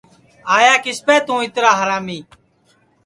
آئیا کِسپ توں اِترا ہرامی